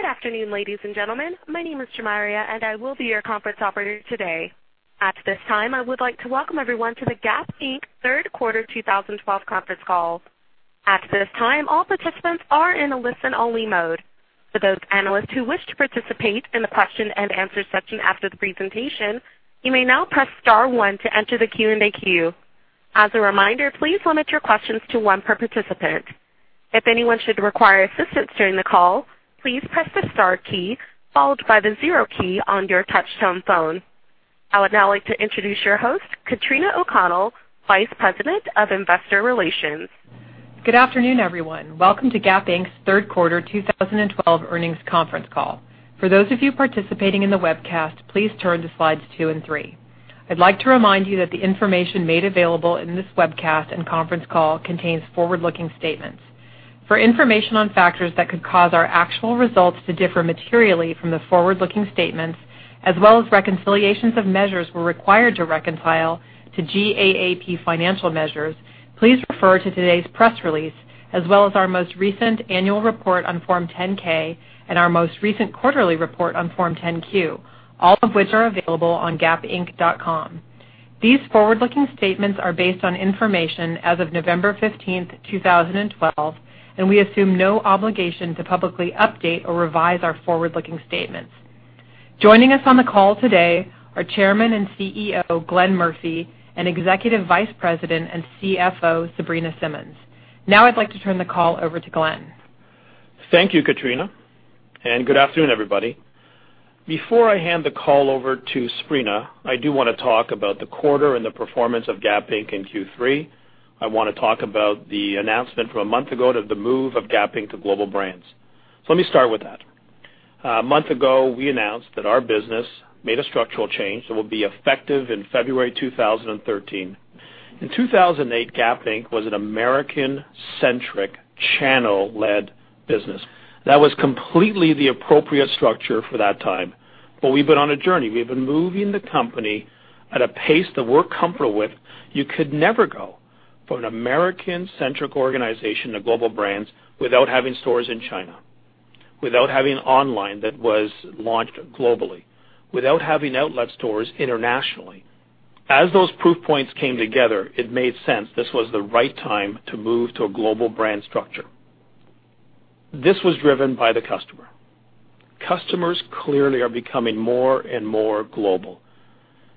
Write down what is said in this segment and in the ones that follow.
Good afternoon, ladies and gentlemen. My name is Jamaria, I will be your conference operator today. At this time, I would like to welcome everyone to the Gap Inc. Third Quarter 2012 Conference Call. At this time, all participants are in a listen-only mode. For those analysts who wish to participate in the question and answer session after the presentation, you may now press star one to enter the Q&A queue. As a reminder, please limit your questions to one per participant. If anyone should require assistance during the call, please press the star key followed by the zero key on your touchtone phone. I would now like to introduce your host, Katrina O'Connell, Vice President of Investor Relations. Good afternoon, everyone. Welcome to Gap Inc.'s Third Quarter 2012 Earnings Conference Call. For those of you participating in the webcast, please turn to slides two and three. I'd like to remind you that the information made available in this webcast and conference call contains forward-looking statements. For information on factors that could cause our actual results to differ materially from the forward-looking statements, as well as reconciliations of measures we're required to reconcile to GAAP financial measures, please refer to today's press release, as well as our most recent annual report on Form 10-K and our most recent quarterly report on Form 10-Q, all of which are available on gapinc.com. These forward-looking statements are based on information as of November 15th, 2012, we assume no obligation to publicly update or revise our forward-looking statements. Joining us on the call today are Chairman and CEO, Glenn Murphy, and Executive Vice President and CFO, Sabrina Simmons. Now I'd like to turn the call over to Glenn. Thank you, Katrina, good afternoon, everybody. Before I hand the call over to Sabrina, I do want to talk about the quarter and the performance of Gap Inc. in Q3. I want to talk about the announcement from a month ago to the move of Gap Inc. to Global Brands. Let me start with that. A month ago, we announced that our business made a structural change that will be effective in February 2013. In 2008, Gap Inc. was an American-centric channel-led business. That was completely the appropriate structure for that time. We've been on a journey. We've been moving the company at a pace that we're comfortable with. You could never go from an American-centric organization to Global Brands without having stores in China. Without having online that was launched globally, without having outlet stores internationally. As those proof points came together, it made sense this was the right time to move to a global brand structure. This was driven by the customer. Customers clearly are becoming more and more global.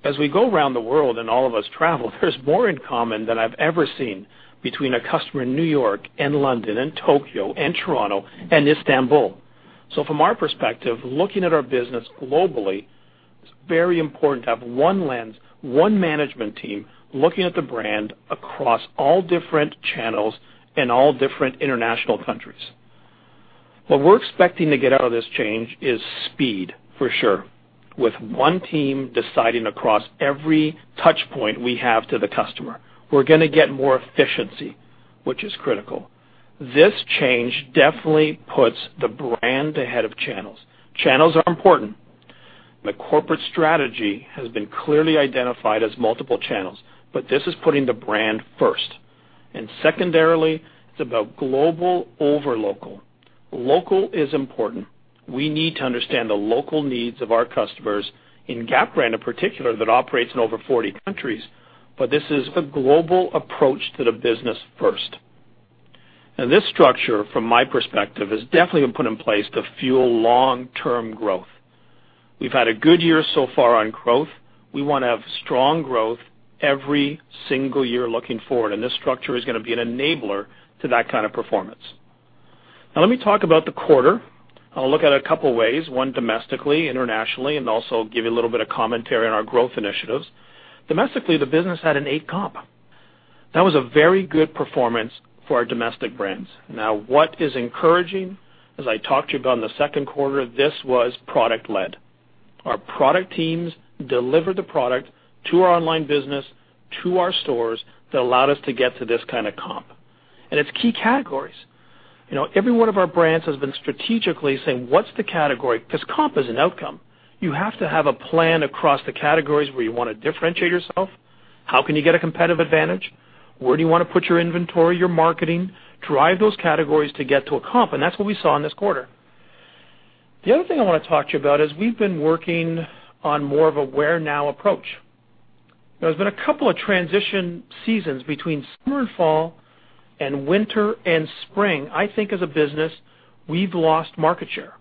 As we go around the world and all of us travel, there's more in common than I've ever seen between a customer in New York and London and Tokyo and Toronto and Istanbul. From our perspective, looking at our business globally, it's very important to have one lens, one management team, looking at the brand across all different channels and all different international countries. What we're expecting to get out of this change is speed, for sure. With one team deciding across every touch point we have to the customer. We're going to get more efficiency, which is critical. This change definitely puts the brand ahead of channels. Channels are important. The corporate strategy has been clearly identified as multiple channels, this is putting the brand first, and secondarily, it's about global over local. Local is important. We need to understand the local needs of our customers in Gap brand in particular, that operates in over 40 countries. This is a global approach to the business first. This structure from my perspective, is definitely put in place to fuel long-term growth. We've had a good year so far on growth. We want to have strong growth every single year looking forward, and this structure is going to be an enabler to that kind of performance. Let me talk about the quarter. I'll look at it a couple ways, one domestically, internationally, and also give you a little bit of commentary on our growth initiatives. Domestically, the business had an eight comp. That was a very good performance for our domestic brands. What is encouraging, as I talked to you about in the second quarter, this was product led. Our product teams delivered the product to our online business, to our stores. That allowed us to get to this kind of comp. It's key categories. Every one of our brands has been strategically saying, "What's the category?" Because comp is an outcome. You have to have a plan across the categories where you want to differentiate yourself. How can you get a competitive advantage? Where do you want to put your inventory, your marketing, drive those categories to get to a comp? That's what we saw in this quarter. The other thing I want to talk to you about is we've been working on more of a wear now approach. There's been a couple of transition seasons between summer and fall and winter and spring. I think as a business, we've lost market share.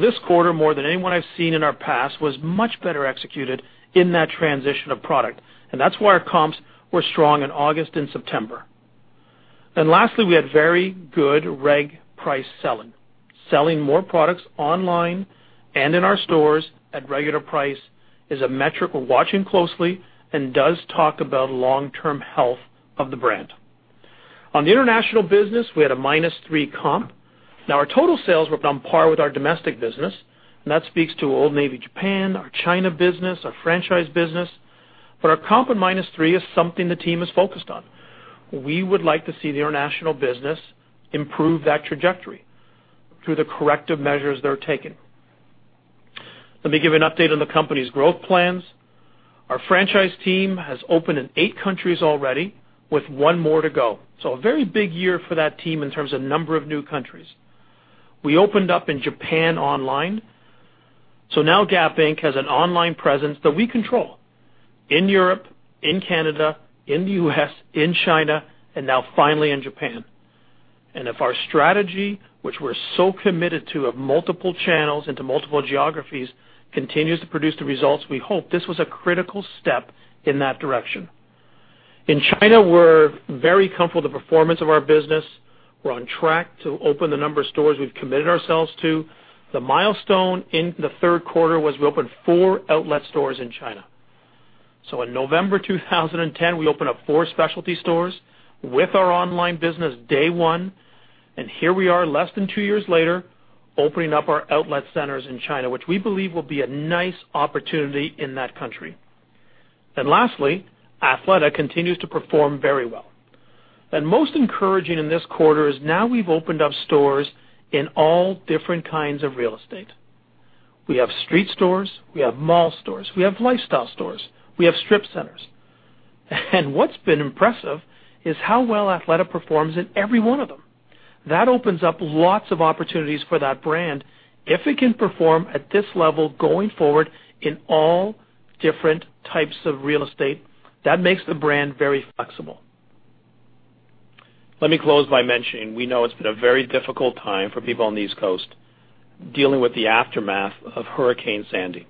This quarter, more than anyone I've seen in our past, was much better executed in that transition of product, and that's why our comps were strong in August and September. Lastly, we had very good reg price selling. Selling more products online and in our stores at regular price is a metric we're watching closely and does talk about long-term health of the brand. On the international business, we had a minus three comp. Our total sales were on par with our domestic business, and that speaks to Old Navy Japan, our China business, our franchise business. Our comp at minus three is something the team is focused on. We would like to see the international business improve that trajectory through the corrective measures that are taken. Let me give you an update on the company's growth plans. Our franchise team has opened in eight countries already, with one more to go. A very big year for that team in terms of number of new countries. We opened up in Japan online. Now Gap Inc. has an online presence that we control in Europe, in Canada, in the U.S., in China, and now finally in Japan. If our strategy, which we're so committed to, of multiple channels into multiple geographies, continues to produce the results we hope, this was a critical step in that direction. In China, we're very comfortable with the performance of our business. We're on track to open the number of stores we've committed ourselves to. The milestone in the third quarter was we opened four outlet stores in China. In November 2010, we opened up four specialty stores with our online business, day one, and here we are, less than two years later, opening up our outlet centers in China, which we believe will be a nice opportunity in that country. Lastly, Athleta continues to perform very well. Most encouraging in this quarter is now we've opened up stores in all different kinds of real estate. We have street stores, we have mall stores, we have lifestyle stores, we have strip centers. What's been impressive is how well Athleta performs in every one of them. That opens up lots of opportunities for that brand. If it can perform at this level going forward in all different types of real estate, that makes the brand very flexible. Let me close by mentioning, we know it's been a very difficult time for people on the East Coast dealing with the aftermath of Hurricane Sandy.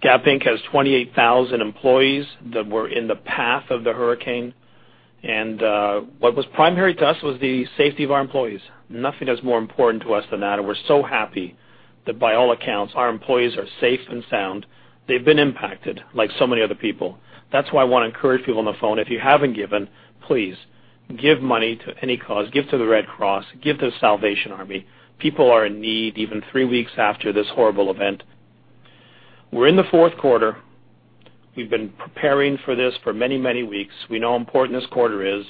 Gap Inc. has 28,000 employees that were in the path of the hurricane, and what was primary to us was the safety of our employees. Nothing is more important to us than that, and we're so happy that by all accounts, our employees are safe and sound. They've been impacted like so many other people. That's why I want to encourage people on the phone, if you haven't given, please give money to any cause. Give to the Red Cross, give to The Salvation Army. People are in need, even three weeks after this horrible event. We're in the fourth quarter. We've been preparing for this for many, many weeks. We know how important this quarter is.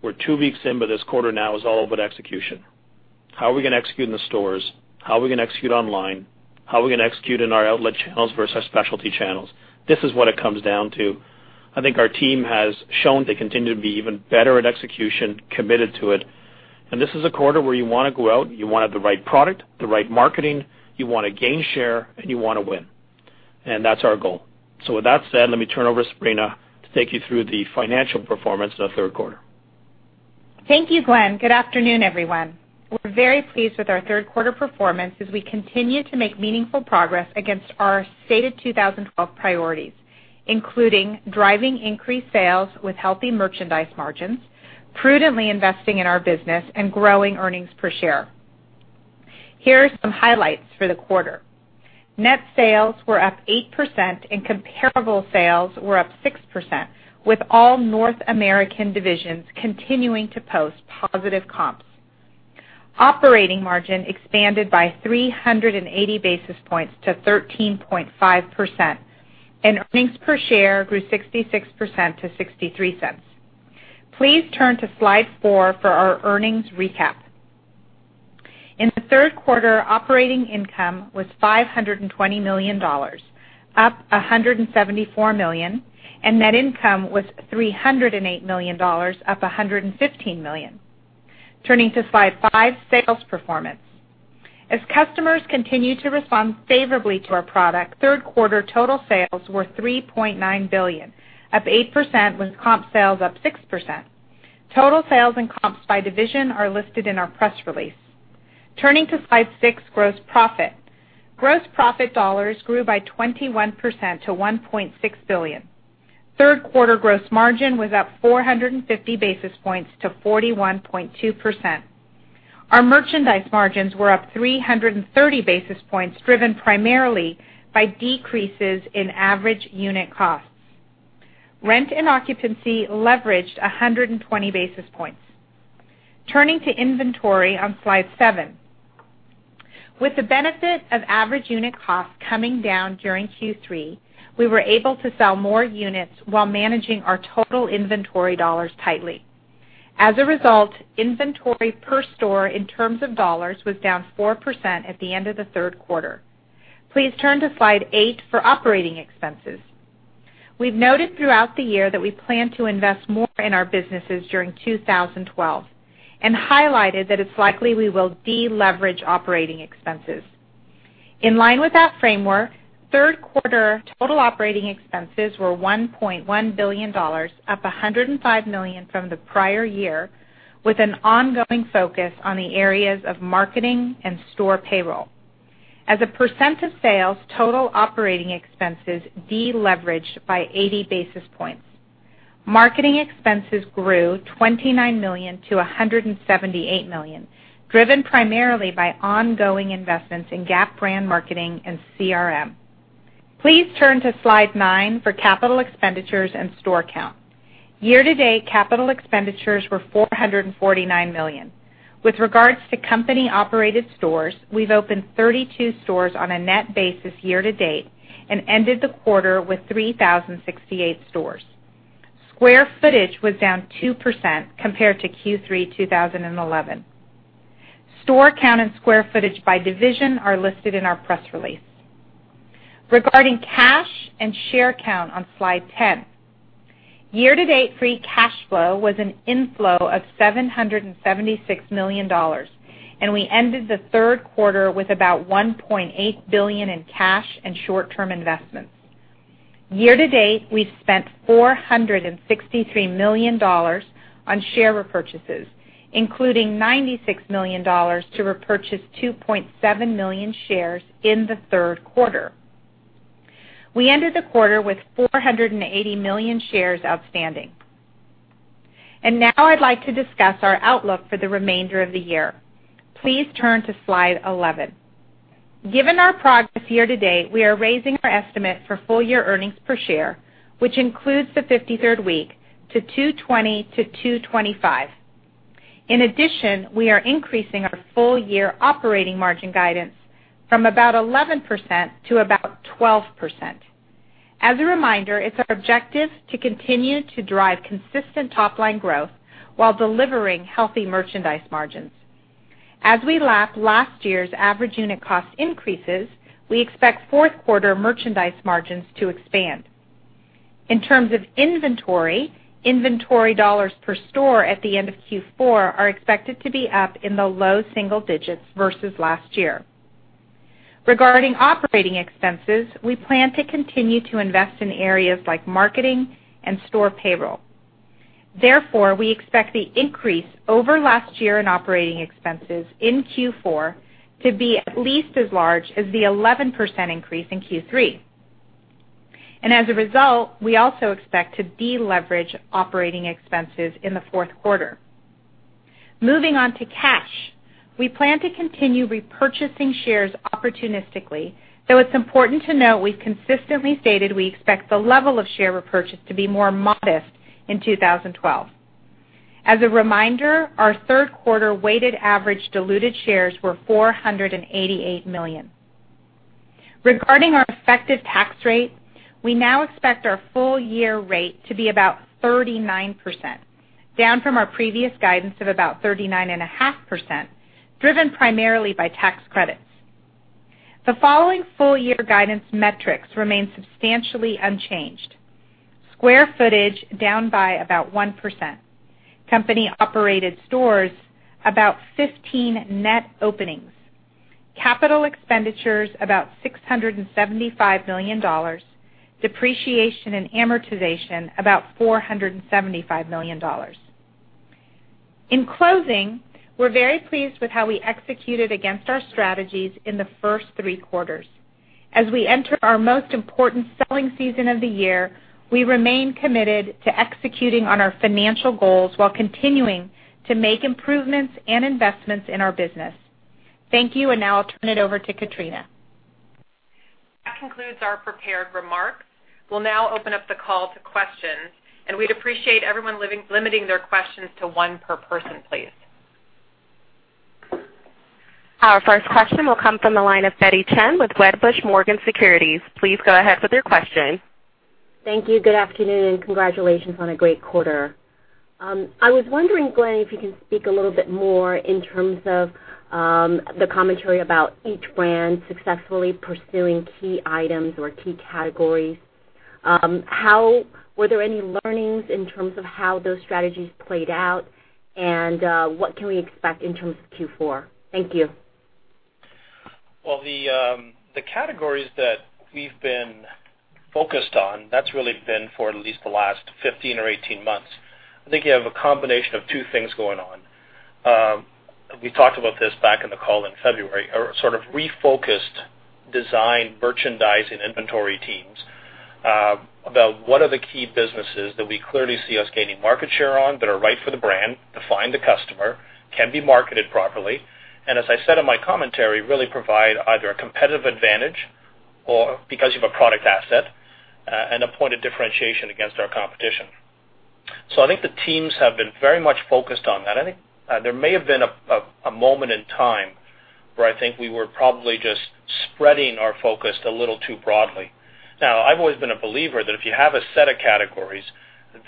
We're two weeks in, this quarter now is all about execution. How are we going to execute in the stores? How are we going to execute online? How are we going to execute in our outlet channels versus specialty channels? This is what it comes down to. I think our team has shown they continue to be even better at execution, committed to it, and this is a quarter where you want to go out, you want to have the right product, the right marketing, you want to gain share, and you want to win. That's our goal. With that said, let me turn it over to Sabrina to take you through the financial performance of the third quarter. Thank you, Glenn. Good afternoon, everyone. We're very pleased with our third quarter performance as we continue to make meaningful progress against our stated 2012 priorities, including driving increased sales with healthy merchandise margins, prudently investing in our business, and growing earnings per share. Here are some highlights for the quarter. Net sales were up 8% and comparable sales were up 6%, with all North American divisions continuing to post positive comps. Operating margin expanded by 380 basis points to 13.5%, and earnings per share grew 66% to $0.63. Please turn to Slide 4 for our earnings recap. In the third quarter, operating income was $520 million, up $174 million, and net income was $308 million, up $115 million. Turning to Slide 5, sales performance. As customers continue to respond favorably to our product, third quarter total sales were $3.9 billion, up 8%, with comp sales up 6%. Total sales and comps by division are listed in our press release. Turning to Slide 6, gross profit. Gross profit dollars grew by 21% to $1.6 billion. Third quarter gross margin was up 450 basis points to 41.2%. Our merchandise margins were up 330 basis points, driven primarily by decreases in average unit costs. Rent and occupancy leveraged 120 basis points. Turning to inventory on Slide 7. With the benefit of average unit costs coming down during Q3, we were able to sell more units while managing our total inventory dollars tightly. As a result, inventory per store in terms of dollars was down 4% at the end of the third quarter. Please turn to Slide 8 for operating expenses. We've noted throughout the year that we plan to invest more in our businesses during 2012 and highlighted that it's likely we will deleverage operating expenses. In line with that framework, third quarter total operating expenses were $1.1 billion, up $105 million from the prior year, with an ongoing focus on the areas of marketing and store payroll. As a percent of sales, total operating expenses deleveraged by 80 basis points. Marketing expenses grew $29 million to $178 million, driven primarily by ongoing investments in Gap brand marketing and CRM. Please turn to Slide 9 for capital expenditures and store count. Year to date, capital expenditures were $449 million. With regards to company-operated stores, we've opened 32 stores on a net basis year to date and ended the quarter with 3,068 stores. Square footage was down 2% compared to Q3 2011. Store count and square footage by division are listed in our press release. Regarding cash and share count on slide 10. Year-to-date free cash flow was an inflow of $776 million. We ended the third quarter with about $1.8 billion in cash and short-term investments. Year to date, we've spent $463 million on share repurchases, including $96 million to repurchase 2.7 million shares in the third quarter. We ended the quarter with 480 million shares outstanding. Now I'd like to discuss our outlook for the remainder of the year. Please turn to slide 11. Given our progress year to date, we are raising our estimate for full year earnings per share, which includes the 53rd week to $2.20 to $2.25. In addition, we are increasing our full year operating margin guidance from about 11% to about 12%. As a reminder, it's our objective to continue to drive consistent top-line growth while delivering healthy merchandise margins. As we lap last year's average unit cost increases, we expect fourth quarter merchandise margins to expand. In terms of inventory dollars per store at the end of Q4 are expected to be up in the low single digits versus last year. Regarding operating expenses, we plan to continue to invest in areas like marketing and store payroll. Therefore, we expect the increase over last year in operating expenses in Q4 to be at least as large as the 11% increase in Q3. As a result, we also expect to deleverage operating expenses in the fourth quarter. Moving on to cash. We plan to continue repurchasing shares opportunistically, though it's important to note we've consistently stated we expect the level of share repurchase to be more modest in 2012. As a reminder, our third quarter weighted average diluted shares were 488 million. Regarding our effective tax rate, we now expect our full year rate to be about 39%, down from our previous guidance of about 39.5%, driven primarily by tax credits. The following full year guidance metrics remain substantially unchanged. Square footage down by about 1%. Company-operated stores, about 15 net openings. Capital expenditures about $675 million. Depreciation and amortization about $475 million. In closing, we're very pleased with how we executed against our strategies in the first three quarters. As we enter our most important selling season of the year, we remain committed to executing on our financial goals while continuing to make improvements and investments in our business. Thank you, and now I'll turn it over to Katrina. That concludes our prepared remarks. We'll now open up the call to questions, and we'd appreciate everyone limiting their questions to one per person, please. Our first question will come from the line of Betty Chen with Wedbush Morgan Securities. Please go ahead with your question. Thank you. Good afternoon, and congratulations on a great quarter. I was wondering, Glenn, if you can speak a little bit more in terms of the commentary about each brand successfully pursuing key items or key categories. Were there any learnings in terms of how those strategies played out, and what can we expect in terms of Q4? Thank you. Well, the categories that we've been focused on, that's really been for at least the last 15 or 18 months. I think you have a combination of two things going on. We talked about this back in the call in February. Our sort of refocused design, merchandising, inventory teams, about what are the key businesses that we clearly see us gaining market share on, that are right for the brand, define the customer, can be marketed properly, and as I said in my commentary, really provide either a competitive advantage or because you have a product asset and a point of differentiation against our competition. I think the teams have been very much focused on that. I think there may have been a moment in time where I think we were probably just spreading our focus a little too broadly. Now, I've always been a believer that if you have a set of categories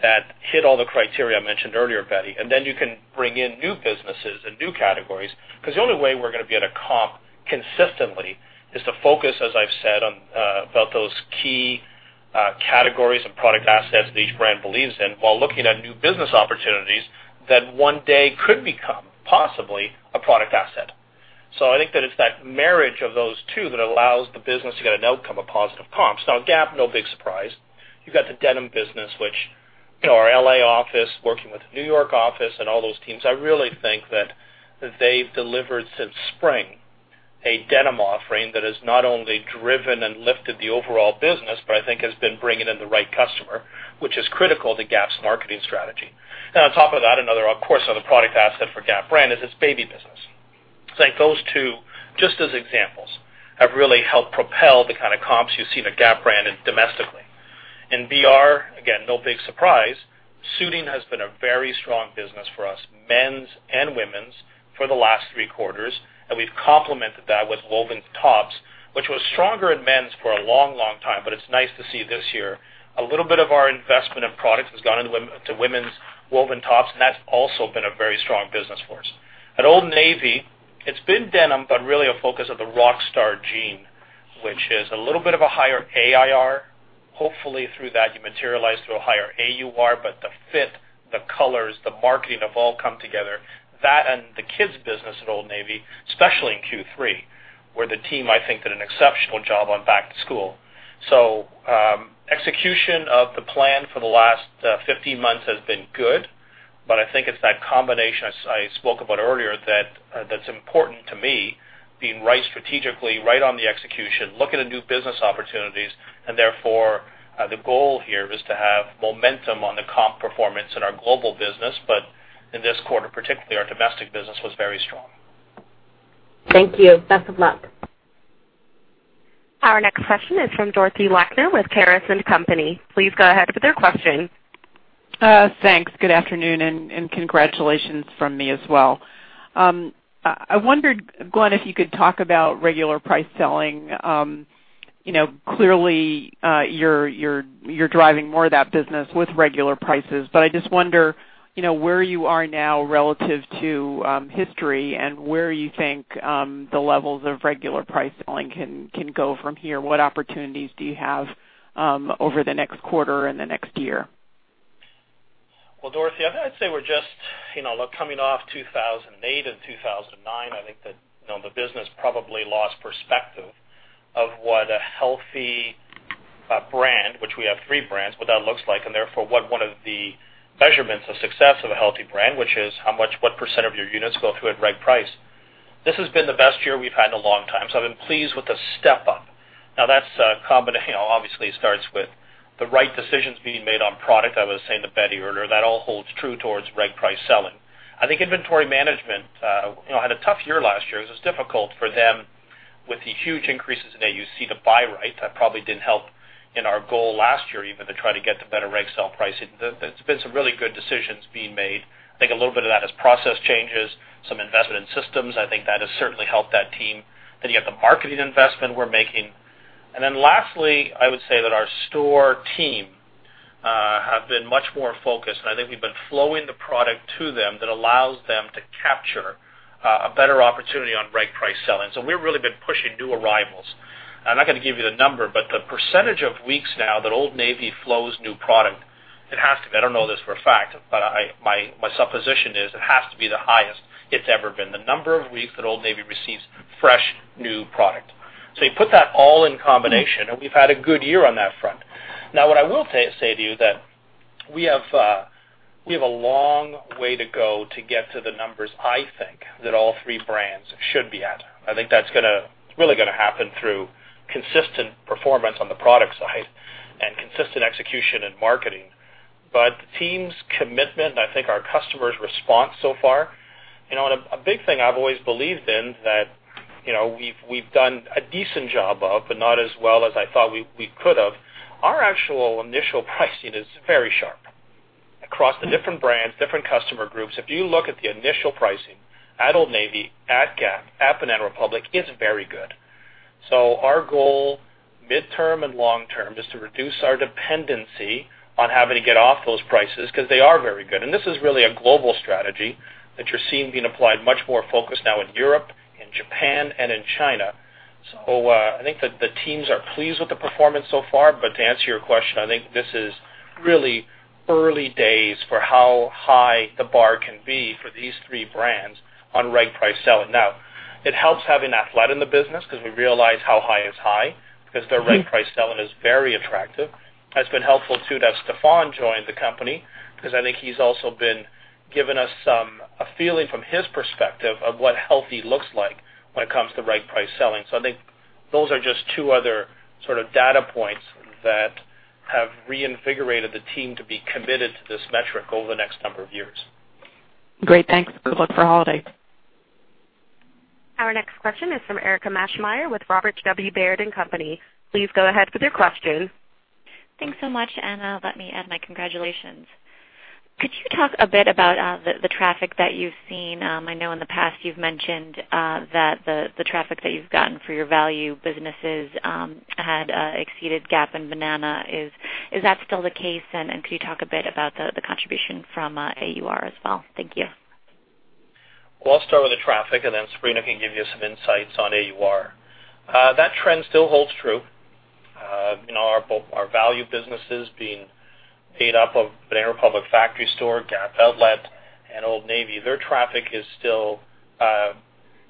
that hit all the criteria I mentioned earlier, Betty, and then you can bring in new businesses and new categories. The only way we're going to be at a comp consistently is to focus, as I've said, on about those key categories and product assets that each brand believes in, while looking at new business opportunities that one day could become possibly a product asset. I think that it's that marriage of those two that allows the business to get an outcome, a positive comp. Now Gap, no big surprise. You've got the denim business, which our L.A. office, working with the New York office and all those teams, I really think that they've delivered since spring a denim offering that has not only driven and lifted the overall business, but I think has been bringing in the right customer, which is critical to Gap's marketing strategy. Now, on top of that, another, of course, other product asset for Gap brand is its baby business. I think those two, just as examples, have really helped propel the kind of comps you see in the Gap brand domestically. In BR, again, no big surprise. Suiting has been a very strong business for us, men's and women's, for the last three quarters, and we've complemented that with woven tops Which was stronger in men's for a long time, it's nice to see this year. A little bit of our investment in products has gone into women's woven tops, and that's also been a very strong business for us. At Old Navy, it's been denim, really a focus of the Rockstar jean, which is a little bit of a higher AUR. Hopefully, through that, you materialize to a higher AUR, but the fit, the colors, the marketing have all come together. And the kids business at Old Navy, especially in Q3, where the team, I think, did an exceptional job on back to school. Execution of the plan for the last 15 months has been good, I think it's that combination I spoke about earlier that's important to me, being right strategically, right on the execution, looking at new business opportunities, and therefore, the goal here is to have momentum on the comp performance in our global business. In this quarter, particularly, our domestic business was very strong. Thank you. Best of luck. Our next question is from Dorothy Lakner with Caris & Company. Please go ahead with your question. Thanks. Good afternoon, and congratulations from me as well. I wondered, Glenn, if you could talk about regular price selling. Clearly, you're driving more of that business with regular prices, I just wonder where you are now relative to history and where you think the levels of regular price selling can go from here. What opportunities do you have over the next quarter and the next year? Well, Dorothy, I'd say coming off 2008 and 2009, I think that the business probably lost perspective of what a healthy brand, which we have three brands, what that looks like, and therefore what one of the measurements of success of a healthy brand, which is what % of your units go through at reg price. This has been the best year we've had in a long time, I've been pleased with the step up. That obviously starts with the right decisions being made on product. I was saying to Betty earlier, that all holds true towards reg price selling. I think inventory management had a tough year last year. It was just difficult for them with the huge increases in AUC to buy right. That probably didn't help in our goal last year, even to try to get to better reg sell pricing. There's been some really good decisions being made. I think a little bit of that is process changes, some investment in systems. I think that has certainly helped that team. You have the marketing investment we're making. Lastly, I would say that our store team have been much more focused, and I think we've been flowing the product to them that allows them to capture a better opportunity on reg price selling. We've really been pushing new arrivals. I'm not going to give you the number, but the % of weeks now that Old Navy flows new product, I don't know this for a fact, but my supposition is it has to be the highest it's ever been. The number of weeks that Old Navy receives fresh, new product. You put that all in combination, and we've had a good year on that front. What I will say to you that we have a long way to go to get to the numbers I think that all three brands should be at. I think that's really going to happen through consistent performance on the product side and consistent execution in marketing. The team's commitment, and I think our customers' response so far. A big thing I've always believed in that we've done a decent job of, but not as well as I thought we could have. Our actual initial pricing is very sharp across the different brands, different customer groups. If you look at the initial pricing at Old Navy, at Gap, at Banana Republic, it's very good. Our goal, midterm and long term, is to reduce our dependency on having to get off those prices because they are very good. This is really a global strategy that you're seeing being applied much more focused now in Europe, in Japan, and in China. I think that the teams are pleased with the performance so far. To answer your question, I think this is really early days for how high the bar can be for these three brands on reg price selling. It helps having Athleta in the business because we realize how high is high, because their reg price selling is very attractive. It's been helpful too that Stefan joined the company because I think he's also been giving us a feeling from his perspective of what healthy looks like when it comes to reg price selling. I think those are just two other sort of data points that have reinvigorated the team to be committed to this metric over the next number of years. Great. Thanks. Good luck for holidays. Our next question is from Erika Maschmeyer with Robert W. Baird & Co.. Please go ahead with your question. Thanks so much, let me add my congratulations. Could you talk a bit about the traffic that you've seen? I know in the past you've mentioned that the traffic that you've gotten for your value businesses had exceeded Gap and Banana. Is that still the case? Could you talk a bit about the contribution from AUR as well? Thank you. I'll start with the traffic, Sabrina can give you some insights on AUR. That trend still holds true. Our value businesses being made up of Banana Republic Factory Store, Gap Outlet, and Old Navy. Their traffic is still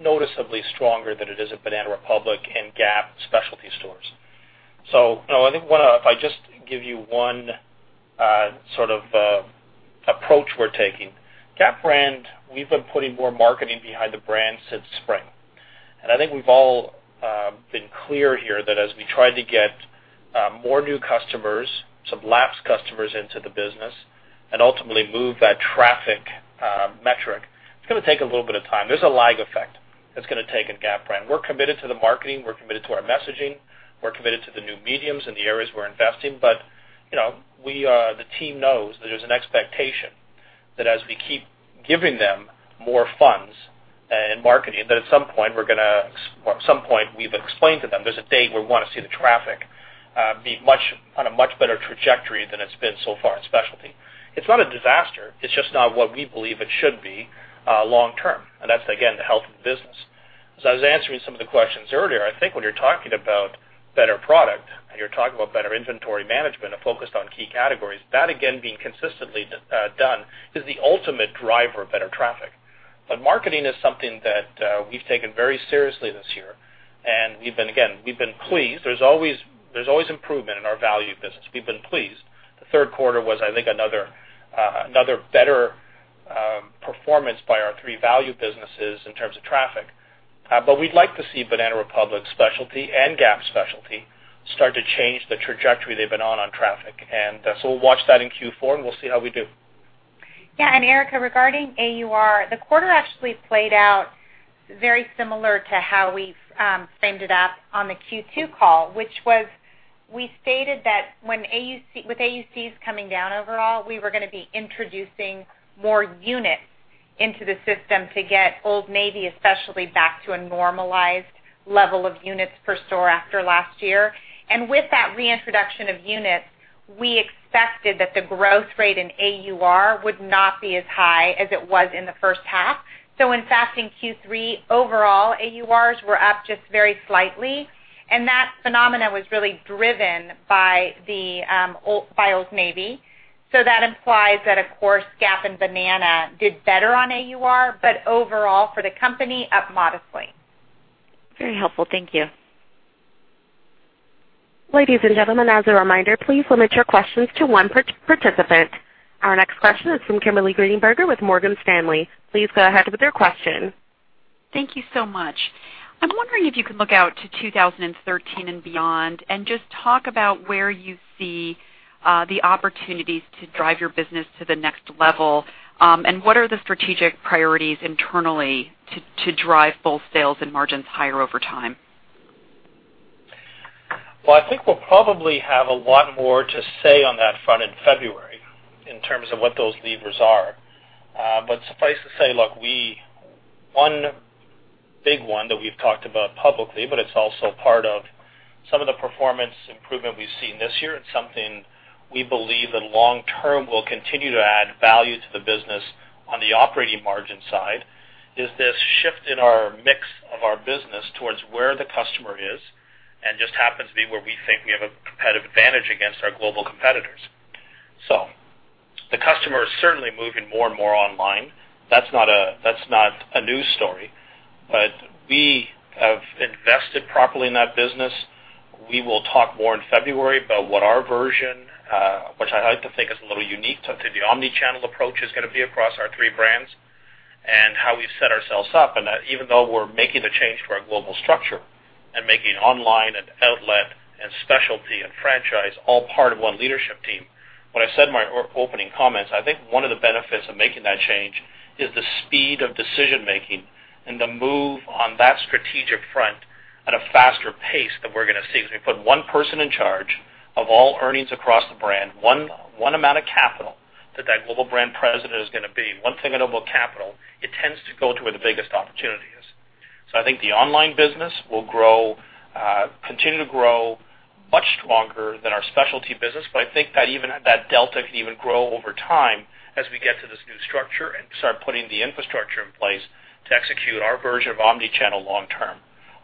noticeably stronger than it is at Banana Republic and Gap specialty stores. I think if I just give you one sort of approach we're taking. Gap brand, we've been putting more marketing behind the brand since spring. I think we've all been clear here that as we try to get more new customers, some lapsed customers into the business, and ultimately move that traffic metric, it's going to take a little bit of time. There's a lag effect that's going to take in Gap brand. We're committed to the marketing. We're committed to our messaging. We're committed to the new mediums and the areas we're investing, the team knows that there's an expectation that as we keep giving them more funds and marketing, that at some point we've explained to them there's a date where we want to see the traffic be on a much better trajectory than it's been so far in specialty. It's not a disaster. It's just not what we believe it should be long term. That's, again, the health of the business. As I was answering some of the questions earlier, I think when you're talking about better product and you're talking about better inventory management focused on key categories, that again, being consistently done is the ultimate driver of better traffic. Marketing is something that we've taken very seriously this year, and again, we've been pleased. There's always improvement in our value business. We've been pleased. The third quarter was, I think, another better performance by our three value businesses in terms of traffic. We'd like to see Banana Republic specialty and Gap specialty start to change the trajectory they've been on traffic. We'll watch that in Q4, and we'll see how we do. Yeah. Erika, regarding AUR, the quarter actually played out very similar to how we framed it up on the Q2 call, which was we stated that with AUCs coming down overall, we were going to be introducing more units into the system to get Old Navy, especially back to a normalized level of units per store after last year. With that reintroduction of units, we expected that the growth rate in AUR would not be as high as it was in the first half. In fact, in Q3, overall AURs were up just very slightly, and that phenomena was really driven by Old Navy. That implies that, of course, Gap and Banana did better on AUR, but overall for the company, up modestly. Very helpful. Thank you. Ladies and gentlemen, as a reminder, please limit your questions to one participant. Our next question is from Kimberly Greenberger with Morgan Stanley. Please go ahead with your question. Thank you so much. I'm wondering if you could look out to 2013 and beyond and just talk about where you see the opportunities to drive your business to the next level, and what are the strategic priorities internally to drive both sales and margins higher over time? I think we'll probably have a lot more to say on that front in February in terms of what those levers are. Suffice to say, look, one big one that we've talked about publicly, but it's also part of some of the performance improvement we've seen this year. It's something we believe that long term will continue to add value to the business on the operating margin side, is this shift in our mix of our business towards where the customer is and just happens to be where we think we have a competitive advantage against our global competitors. The customer is certainly moving more and more online. That's not a news story, but we have invested properly in that business. We will talk more in February about what our version, which I like to think is a little unique to the omni-channel approach, is going to be across our three brands and how we set ourselves up. Even though we're making the change to our global structure and making online and outlet and specialty and franchise all part of one leadership team. What I said in my opening comments, I think one of the benefits of making that change is the speed of decision making and the move on that strategic front at a faster pace that we're going to see. Because we put one person in charge of all earnings across the brand, one amount of capital that global brand president is going to be one segment of capital. It tends to go to where the biggest opportunity is. I think the online business will continue to grow much stronger than our specialty business. I think that delta can even grow over time as we get to this new structure and start putting the infrastructure in place to execute our version of omni-channel long term.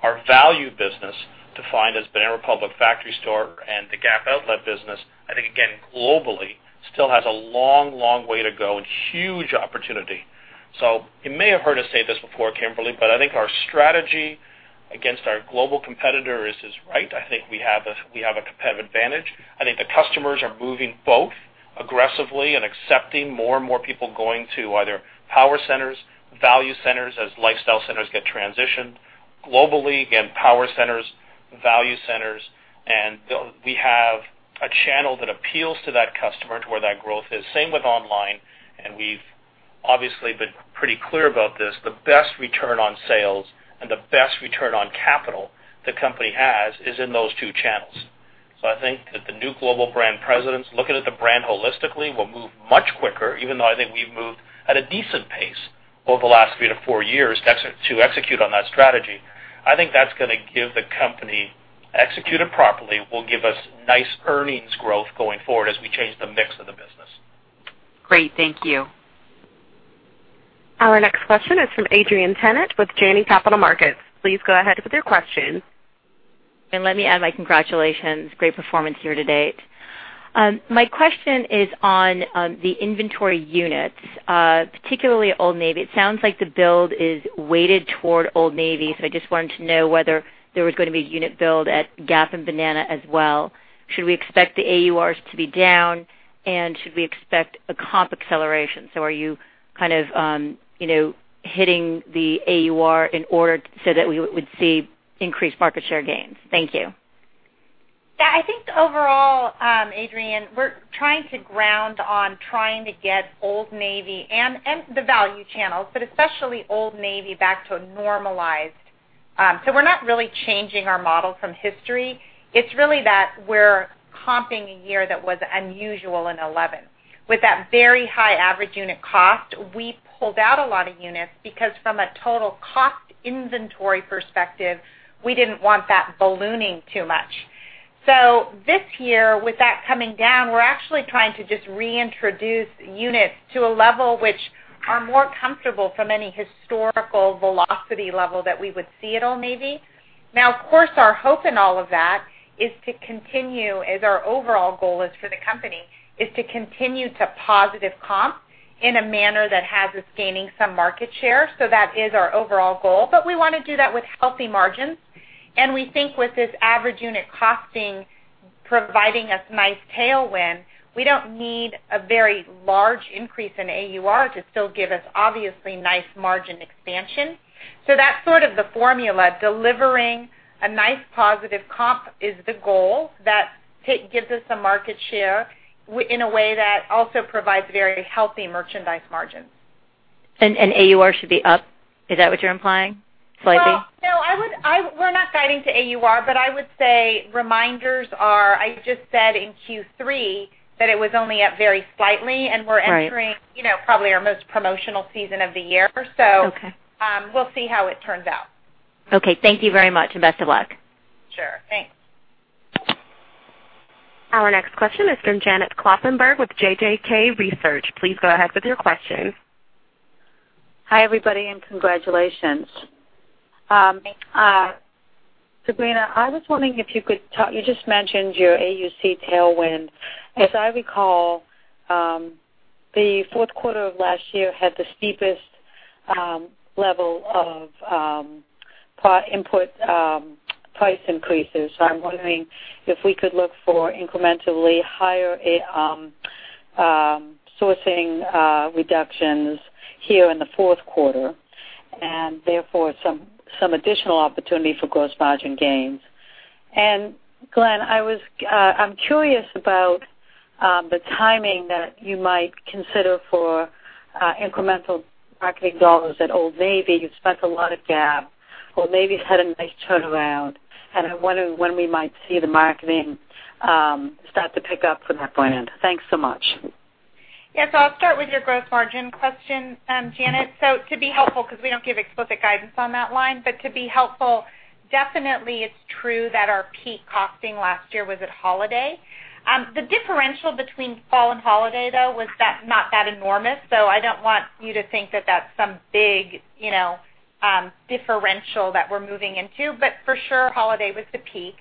Our value business, defined as Banana Republic Factory Store and the Gap Outlet business, I think, again, globally, still has a long way to go and huge opportunity. You may have heard us say this before, Kimberly, but I think our strategy against our global competitor is right. I think we have a competitive advantage. I think the customers are moving both aggressively and accepting more and more people going to either power centers, value centers, as lifestyle centers get transitioned. Globally, again, power centers, value centers, we have a channel that appeals to that customer to where that growth is. Same with online, we've obviously been pretty clear about this. The best return on sales and the best return on capital the company has is in those two channels. I think that the new global brand presidents looking at the brand holistically will move much quicker, even though I think we've moved at a decent pace over the last three to four years to execute on that strategy. I think that's going to give the company, executed properly, will give us nice earnings growth going forward as we change the mix of the business. Great. Thank you. Our next question is from Adrienne Yih-Tennant with Janney Montgomery Scott. Please go ahead with your question. Let me add my congratulations. Great performance year to date. My question is on the inventory units, particularly Old Navy. It sounds like the build is weighted toward Old Navy. I just wanted to know whether there was going to be unit build at Gap and Banana as well. Should we expect the AURs to be down, and should we expect a comp acceleration? Are you kind of hitting the AUR in order so that we would see increased market share gains? Thank you. Yeah, I think overall, Adrienne, we're trying to ground on trying to get Old Navy and the value channels, but especially Old Navy, back to a normalized So we're not really changing our model from history. It's really that we're comping a year that was unusual in 2011. With that very high average unit cost, we pulled out a lot of units because from a total cost inventory perspective, we didn't want that ballooning too much. This year, with that coming down, we're actually trying to just reintroduce units to a level which are more comfortable from any historical velocity level that we would see at Old Navy. Now, of course, our hope in all of that is to continue, as our overall goal is for the company, is to continue to positive comp in a manner that has us gaining some market share. That is our overall goal. We want to do that with healthy margins. We think with this average unit costing providing us nice tailwind, we don't need a very large increase in AUR to still give us obviously nice margin expansion. That's sort of the formula. Delivering a nice positive comp is the goal that gives us some market share in a way that also provides very healthy merchandise margins. AUR should be up. Is that what you're implying, slightly? Well, no, we're not guiding to AUR, but I would say reminders are, I just said in Q3 that it was only up very slightly. Right. We're entering probably our most promotional season of the year. Okay. We'll see how it turns out. Okay, thank you very much. Best of luck. Sure. Thanks. Our next question is from Janet Kloppenberg with JJK Research. Please go ahead with your question. Hi, everybody, congratulations. Thanks. Sabrina, I was wondering if you could talk. You just mentioned your AUC tailwind. As I recall, the fourth quarter of last year had the steepest level of input price increases. I'm wondering if we could look for incrementally higher sourcing reductions here in the fourth quarter, and therefore some additional opportunity for gross margin gains. Glenn, I'm curious about the timing that you might consider for incremental marketing dollars at Old Navy. You've spent a lot at Gap. Old Navy's had a nice turnaround, and I wonder when we might see the marketing start to pick up from that point on. Thanks so much. Yeah. I'll start with your gross margin question, Janet. To be helpful, because we don't give explicit guidance on that line, but to be helpful, definitely it's true that our peak costing last year was at holiday. The differential between fall and holiday, though, was not that enormous. I don't want you to think that that's some big differential that we're moving into. But for sure, holiday was the peak.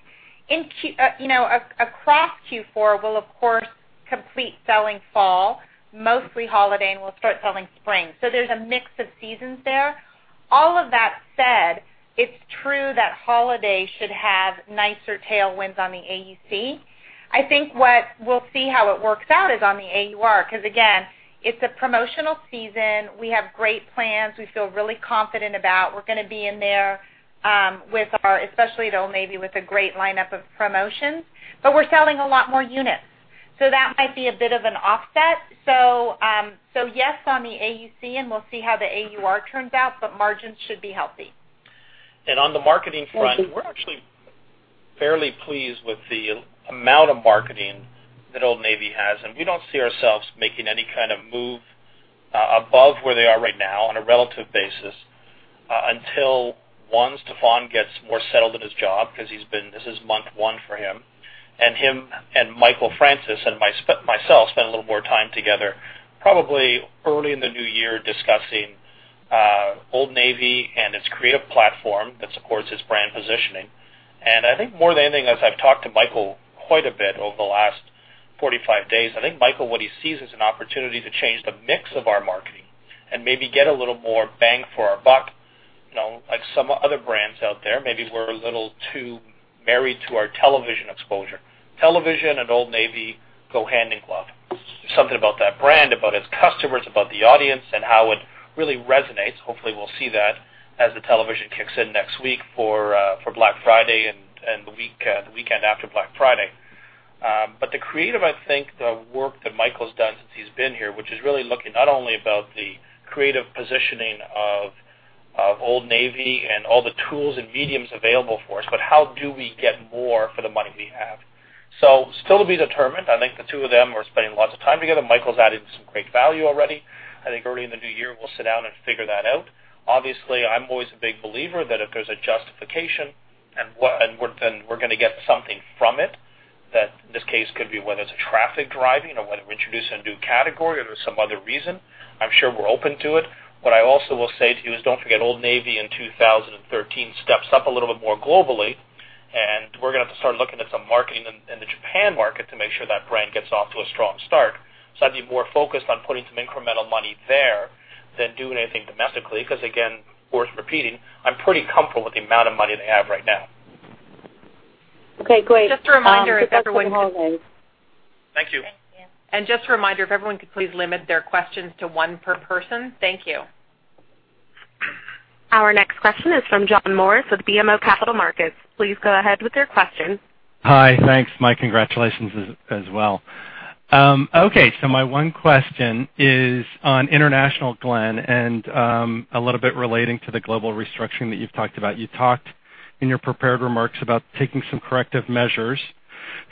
Across Q4, we'll of course complete selling fall, mostly holiday, and we'll start selling spring. There's a mix of seasons there. All of that said, it's true that holiday should have nicer tailwinds on the AUC. I think what we'll see how it works out is on the AUR, because again, it's a promotional season. We have great plans we feel really confident about. We're going to be in there with our, especially at Old Navy, with a great lineup of promotions, but we're selling a lot more units. That might be a bit of an offset. Yes, on the AUC, and we'll see how the AUR turns out, but margins should be healthy. On the marketing front. Thank you. We're actually fairly pleased with the amount of marketing that Old Navy has, and we don't see ourselves making any kind of move above where they are right now on a relative basis until, one, Stefan gets more settled at his job, because this is month one for him, and him and Michael Francis and myself spend a little more time together, probably early in the new year, discussing Old Navy and its creative platform that supports its brand positioning. I think more than anything, as I've talked to Michael quite a bit over the last 45 days, I think Michael, what he sees as an opportunity to change the mix of our marketing and maybe get a little more bang for our buck, like some other brands out there. Maybe we're a little too married to our television exposure. Television and Old Navy go hand in glove. There's something about that brand, about its customers, about the audience, and how it really resonates. Hopefully, we'll see that as the television kicks in next week for Black Friday and the weekend after Black Friday. The creative, I think, the work that Michael's done since he's been here, which is really looking not only about the creative positioning of Old Navy and all the tools and mediums available for us, but how do we get more for the money we have. Still to be determined. I think the two of them are spending lots of time together. Michael's adding some great value already. I think early in the new year, we'll sit down and figure that out. I'm always a big believer that if there's a justification, and we're going to get something from it, that this case could be whether it's traffic driving or whether we're introducing a new category or there's some other reason, I'm sure we're open to it. What I also will say to you is, don't forget, Old Navy in 2013 steps up a little bit more globally, and we're going to have to start looking at some marketing in the Japan market to make sure that brand gets off to a strong start. I'd be more focused on putting some incremental money there than doing anything domestically, because again, worth repeating, I'm pretty comfortable with the amount of money they have right now. Okay, great. Just a reminder, if everyone could- Good luck with the holidays. Thank you. Thank you. Just a reminder, if everyone could please limit their questions to one per person. Thank you. Our next question is from John Morris with BMO Capital Markets. Please go ahead with your question. Hi. Thanks. My congratulations as well. Okay. My one question is on international, Glenn, and a little bit relating to the global restructuring that you've talked about. You talked in your prepared remarks about taking some corrective measures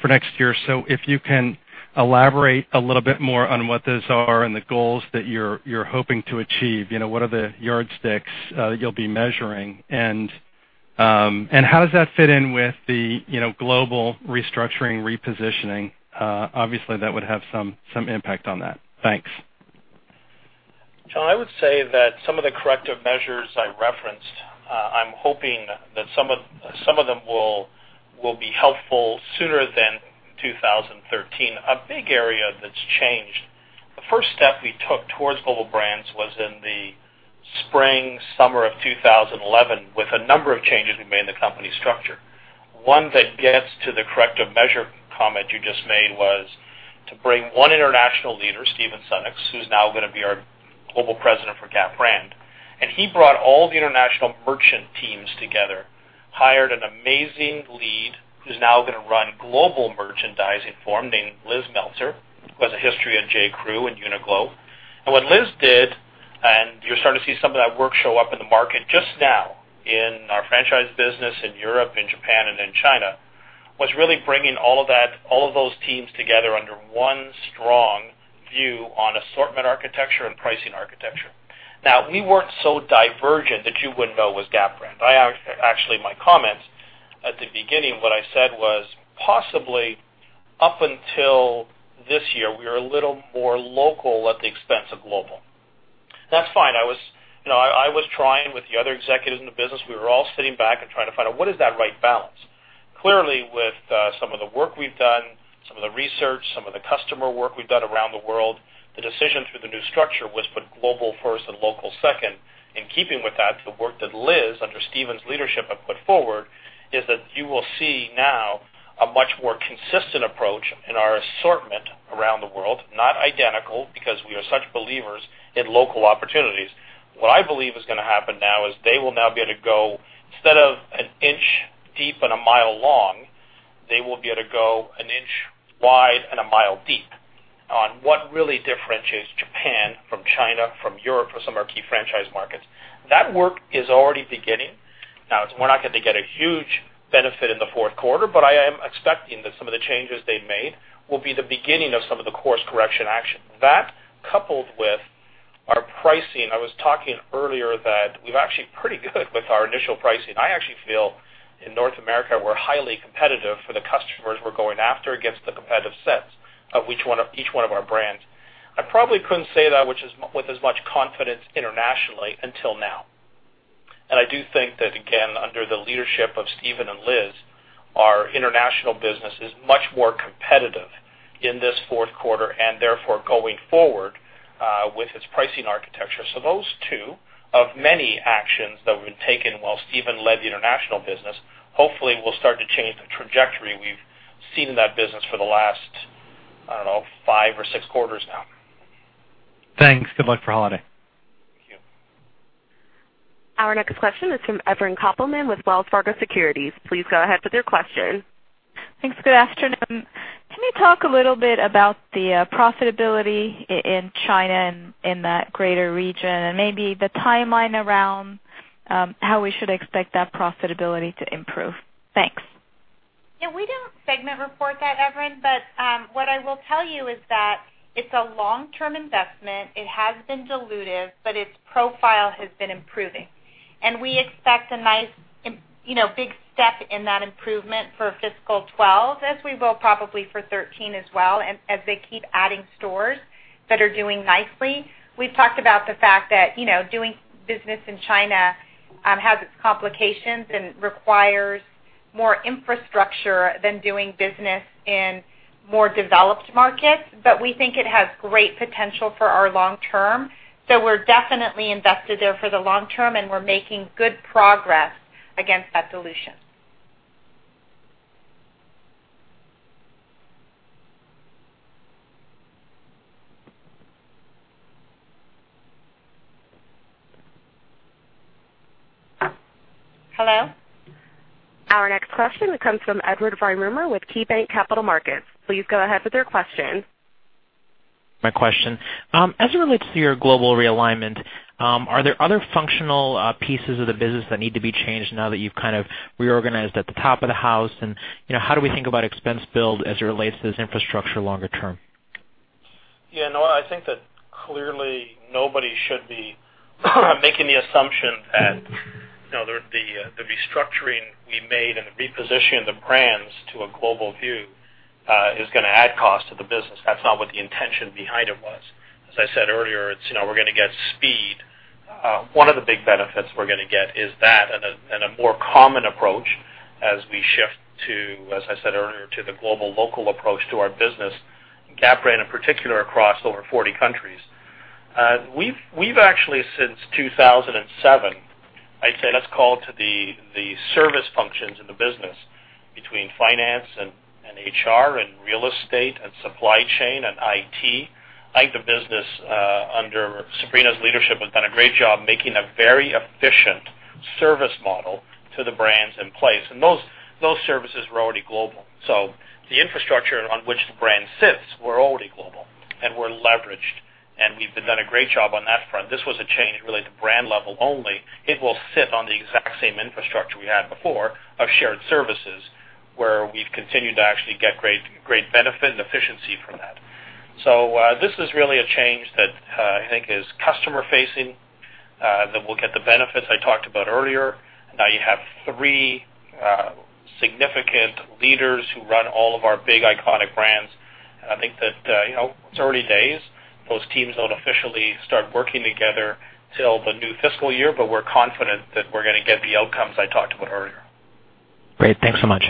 for next year. If you can elaborate a little bit more on what those are and the goals that you're hoping to achieve, what are the yardsticks that you'll be measuring? How does that fit in with the global restructuring repositioning? Obviously, that would have some impact on that. Thanks. John, I would say that some of the corrective measures I referenced, I'm hoping that some of them will be helpful sooner than 2013. A big area that's changed, the first step we took towards global brands was in the spring, summer of 2011, with a number of changes we made in the company structure. One that gets to the corrective measure comment you just made was to bring one international leader, Stephen Sunnucks, who's now going to be our Global President for Gap Brand. He brought all the international merchant teams together, hired an amazing lead, who's now going to run global merchandising for him, named Liz Meltzer, who has a history at J.Crew and Uniqlo. What Liz did, and you're starting to see some of that work show up in the market just now in our franchise business in Europe, in Japan, and in China, was really bringing all of those teams together under one strong view on assortment architecture and pricing architecture. Now, we weren't so divergent that you wouldn't know it was Gap Brand. Actually, my comments at the beginning, what I said was, possibly up until this year, we were a little more local at the expense of global. That's fine. I was trying with the other executives in the business. We were all sitting back and trying to find out what is that right balance. Clearly, with some of the work we've done, some of the research, some of the customer work we've done around the world, the decision through the new structure was put global first and local second. In keeping with that, the work that Liz, under Stephen's leadership, have put forward is that you will see now a much more consistent approach in our assortment around the world, not identical, because we are such believers in local opportunities. What I believe is going to happen now is they will now be able to go, instead of an inch deep and a mile long, they will be able to go an inch wide and a mile deep on what really differentiates Japan from China, from Europe, or some of our key franchise markets. That work is already beginning. We're not going to get a huge benefit in the fourth quarter, but I am expecting that some of the changes they've made will be the beginning of some of the course correction action. That, coupled with our pricing. I was talking earlier that we're actually pretty good with our initial pricing. I actually feel in North America, we're highly competitive for the customers we're going after against the competitive sets of each one of our brands. I probably couldn't say that with as much confidence internationally until now. I do think that, again, under the leadership of Stephen and Liz, our international business is much more competitive in this fourth quarter and therefore going forward, with its pricing architecture. Those two of many actions that we've taken while Stephen led the international business, hopefully will start to change the trajectory we've seen in that business for the last, I don't know, five or six quarters now. Thanks. Good luck for holiday. Thank you. Our next question is from Evren Kopelman with Wells Fargo Securities. Please go ahead with your question. Thanks. Good afternoon. Can you talk a little bit about the profitability in China and in that greater region, and maybe the timeline around how we should expect that profitability to improve? Thanks. Yeah. We don't segment report that, Evren, but what I will tell you is that it's a long-term investment. It has been dilutive, but its profile has been improving. We expect a nice, big step in that improvement for fiscal 2012, as we will probably for 2013 as well, as they keep adding stores that are doing nicely. We've talked about the fact that doing business in China has its complications and requires more infrastructure than doing business in more developed markets, but we think it has great potential for our long term. We're definitely invested there for the long term, and we're making good progress against that dilution. Hello? Our next question comes from Edward Yruma with KeyBanc Capital Markets. Please go ahead with your question. My question. As it relates to your global realignment, are there other functional pieces of the business that need to be changed now that you've kind of reorganized at the top of the house? How do we think about expense build as it relates to this infrastructure longer term? Yeah, no, I think that clearly nobody should be making the assumption that the restructuring we made and the repositioning of the brands to a global view is going to add cost to the business. That's not what the intention behind it was. As I said earlier, we're going to get speed. One of the big benefits we're going to get is that and a more common approach as we shift to, as I said earlier, to the global-local approach to our business, in Gap Brand, in particular, across over 40 countries. We've actually since 2007, I'd say let's call to the service functions in the business between finance and HR and real estate and supply chain and IT. I think the business under Sabrina's leadership has done a great job making a very efficient service model to the brands in place. Those services were already global. The infrastructure on which the brand sits were already global and were leveraged, and we've done a great job on that front. This was a change really at the brand level only. It will sit on the exact same infrastructure we had before of shared services, where we've continued to actually get great benefit and efficiency from that. This is really a change that I think is customer-facing, that will get the benefits I talked about earlier. Now you have three significant leaders who run all of our big, iconic brands. I think that it's already days. Those teams don't officially start working together till the new fiscal year, but we're confident that we're going to get the outcomes I talked about earlier. Great. Thanks so much.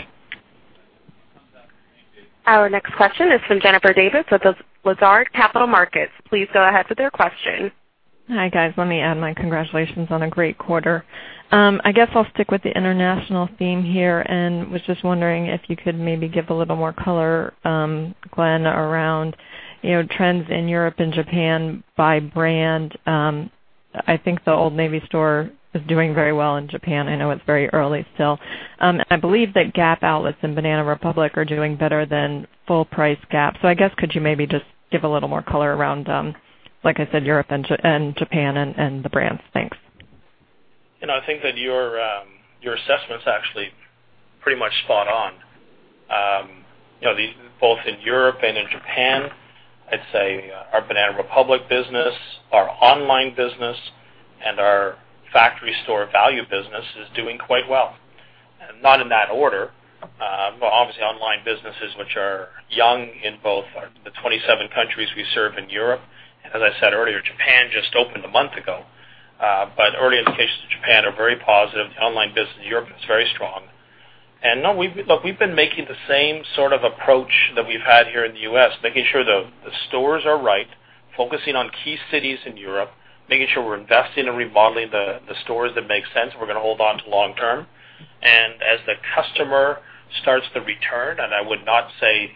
Our next question is from Jennifer Davis with Lazard Capital Markets. Please go ahead with your question. Hi, guys. Let me add my congratulations on a great quarter. I guess I'll stick with the international theme here and was just wondering if you could maybe give a little more color, Glenn, around trends in Europe and Japan by brand. I think the Old Navy store is doing very well in Japan. I know it's very early still. I believe that Gap Outlets and Banana Republic are doing better than full price Gap. I guess could you maybe just give a little more color around, like I said, Europe and Japan and the brands. Thanks. I think that your assessment's actually pretty much spot on. Both in Europe and in Japan, I'd say our Banana Republic business, our online business, and our factory store value business is doing quite well. Not in that order. Obviously online businesses which are young in both the 27 countries we serve in Europe. As I said earlier, Japan just opened a month ago. Early indications to Japan are very positive. The online business in Europe is very strong. Look, we've been making the same sort of approach that we've had here in the U.S., making sure the stores are right, focusing on key cities in Europe, making sure we're investing and remodeling the stores that make sense, we're going to hold on to long term. As the customer starts to return, and I would not say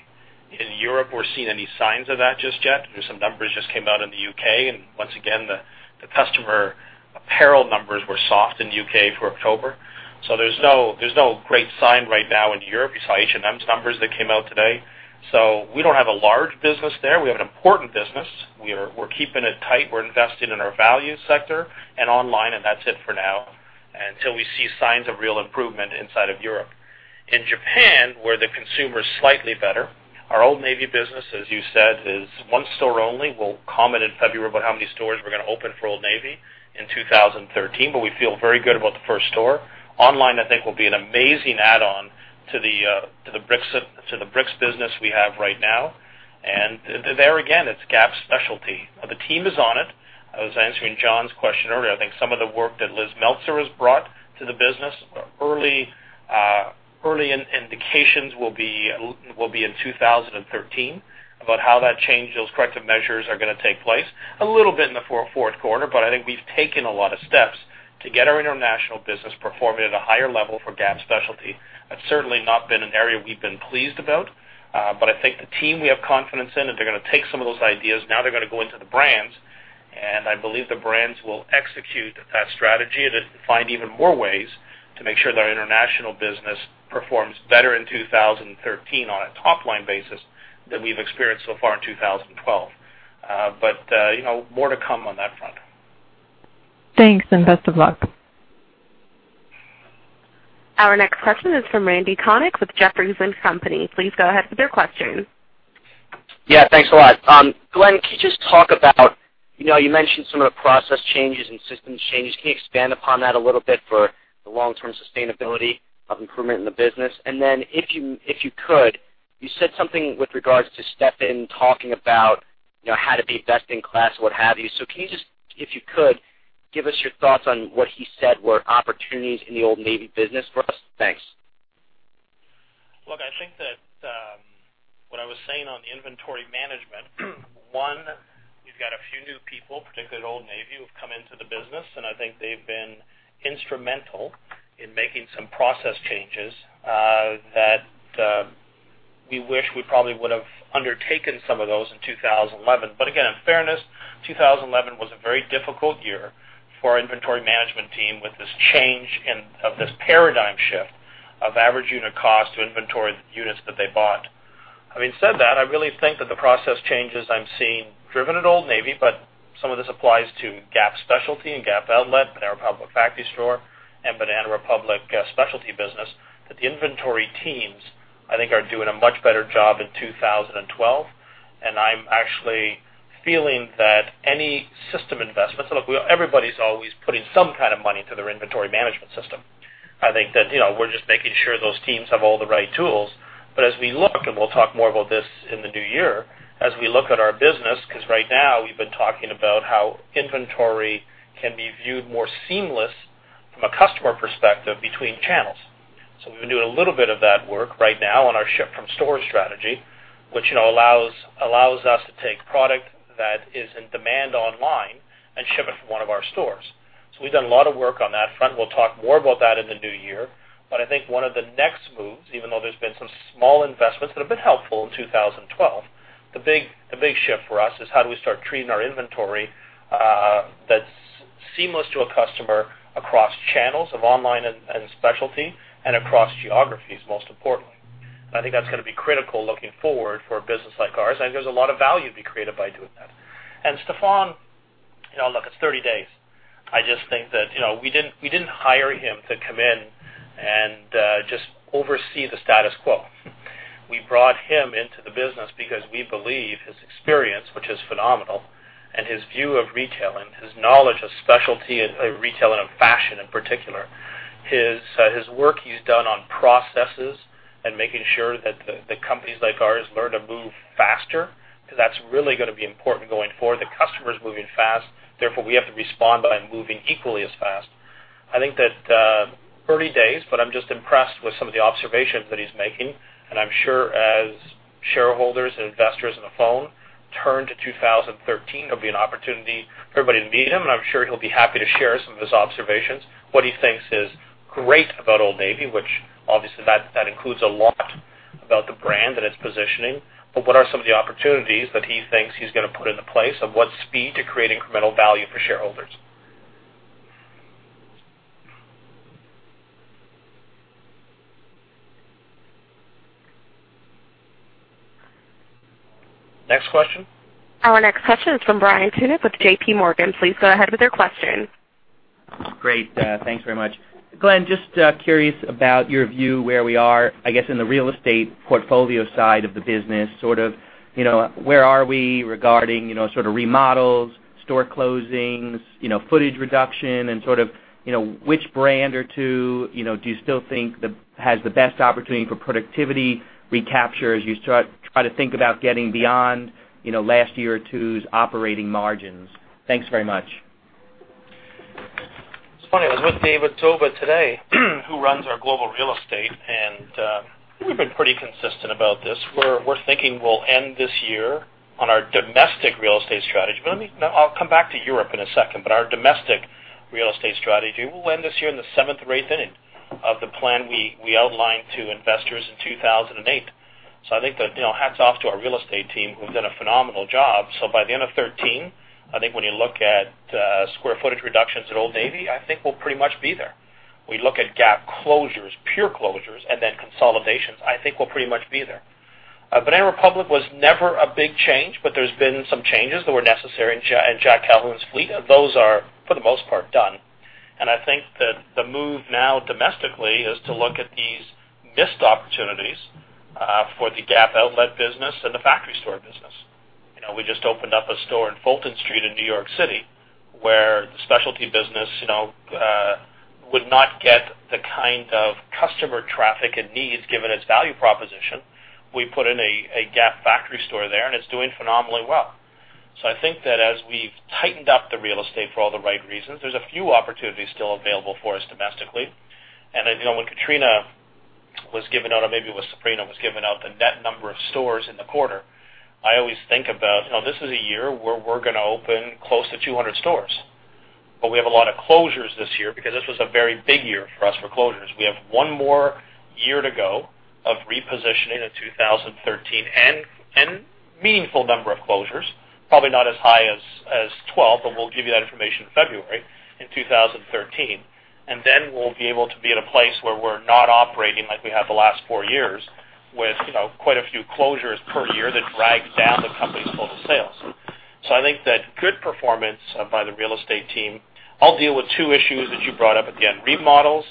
in Europe we're seeing any signs of that just yet. There's some numbers just came out in the U.K., and once again, the customer apparel numbers were soft in the U.K. for October. There's no great sign right now in Europe. You saw H&M's numbers that came out today. We don't have a large business there. We have an important business. We're keeping it tight. We're investing in our value sector and online, and that's it for now, until we see signs of real improvement inside of Europe. In Japan, where the consumer is slightly better, our Old Navy business, as you said, is one store only. We'll comment in February about how many stores we're going to open for Old Navy in 2013. We feel very good about the first store. Online, I think, will be an amazing add-on to the bricks business we have right now. There again, it's Gap specialty. The team is on it. I was answering John's question earlier. I think some of the work that Liz Meltzer has brought to the business, early indications will be in 2013 about how that change, those corrective measures are going to take place. A little bit in the fourth quarter, I think we've taken a lot of steps to get our international business performing at a higher level for Gap specialty. That's certainly not been an area we've been pleased about. I think the team we have confidence in, and they're going to take some of those ideas. Now they're going to go into the brands, I believe the brands will execute that strategy and find even more ways to make sure that our international business performs better in 2013 on a top-line basis than we've experienced so far in 2012. More to come on that front. Thanks. Best of luck. Our next question is from Randal Konik with Jefferies & Company. Please go ahead with your question. Yeah, thanks a lot. Glenn, can you just talk about, you mentioned some of the process changes and systems changes. Can you expand upon that a little bit for the long-term sustainability of improvement in the business? Then if you could, you said something with regards to Stefan talking about how to be best in class, what have you. Can you just, if you could, give us your thoughts on what he said were opportunities in the Old Navy business for us? Thanks. Look, I think that what I was saying on the inventory management, one, we've got a few new people, particularly at Old Navy, who have come into the business, and I think they've been instrumental in making some process changes that we wish we probably would have undertaken some of those in 2011. Again, in fairness, 2011 was a very difficult year for our inventory management team with this change of this paradigm shift of average unit cost to inventory units that they bought. Having said that, I really think that the process changes I'm seeing driven at Old Navy, but some of this applies to Gap Specialty and Gap Outlet, Banana Republic Factory Store, and Banana Republic Specialty business, that the inventory teams, I think, are doing a much better job in 2012. I'm actually feeling that any system investments. Look, everybody's always putting some kind of money into their inventory management system. I think that we're just making sure those teams have all the right tools. As we look, and we'll talk more about this in the new year, as we look at our business, because right now we've been talking about how inventory can be viewed more seamless from a customer perspective between channels. We've been doing a little bit of that work right now on our ship from store strategy, which allows us to take product that is in demand online and ship it from one of our stores. We've done a lot of work on that front. We'll talk more about that in the new year. I think one of the next moves, even though there's been some small investments that have been helpful in 2012. The big shift for us is how do we start treating our inventory that's seamless to a customer across channels of online and specialty, and across geographies, most importantly. I think that's going to be critical looking forward for a business like ours, and there's a lot of value to be created by doing that. Stefan, look, it's 30 days. I just think that we didn't hire him to come in and just oversee the status quo. We brought him into the business because we believe his experience, which is phenomenal, and his view of retailing, his knowledge of specialty retailing and fashion in particular, his work he's done on processes and making sure that companies like ours learn to move faster. That's really going to be important going forward. The customer's moving fast. Therefore, we have to respond by moving equally as fast. I think that 30 days, but I'm just impressed with some of the observations that he's making, and I'm sure as shareholders and investors on the phone turn to 2013, there'll be an opportunity for everybody to meet him, and I'm sure he'll be happy to share some of his observations. What he thinks is great about Old Navy, which obviously that includes a lot about the brand and its positioning. What are some of the opportunities that he thinks he's going to put into place? At what speed to create incremental value for shareholders. Next question. Our next question is from Brian Tunick with JPMorgan. Please go ahead with your question. Great. Thanks very much. Glenn, just curious about your view where we are, I guess, in the real estate portfolio side of the business, where are we regarding remodels, store closings, footage reduction, and which brand or two do you still think has the best opportunity for productivity recapture as you start trying to think about getting beyond last year or two's operating margins? Thanks very much. It's funny. I was with David Tovar today, who runs our global real estate. We've been pretty consistent about this. We're thinking we'll end this year on our domestic real estate strategy. I'll come back to Europe in a second, but our domestic real estate strategy will end this year in the seventh or eighth inning of the plan we outlined to investors in 2008. I think that, hats off to our real estate team who've done a phenomenal job. By the end of 2013, I think when you look at square footage reductions at Old Navy, I think we'll pretty much be there. We look at Gap closures, pure closures, and then consolidations. I think we'll pretty much be there. Banana Republic was never a big change, but there's been some changes that were necessary in Jack Calhoun's fleet. Those are, for the most part, done. I think that the move now domestically is to look at these missed opportunities for the Gap Outlet business and the factory store business. We just opened up a store on Fulton Street in New York City, where the specialty business would not get the kind of customer traffic it needs given its value proposition. We put in a Gap Factory Store there. It's doing phenomenally well. I think that as we've tightened up the real estate for all the right reasons, there's a few opportunities still available for us domestically. When Katrina was given out, or maybe it was Sabrina, was given out the net number of stores in the quarter, I always think about, this is a year where we're going to open close to 200 stores. We have a lot of closures this year because this was a very big year for us for closures. We have one more year to go of repositioning in 2013 and meaningful number of closures, probably not as high as 2012, but we'll give you that information in February in 2013. Then we'll be able to be at a place where we're not operating like we have the last four years with quite a few closures per year that drags down the company's total sales. I think that good performance by the real estate team. I'll deal with two issues that you brought up. Again, remodels.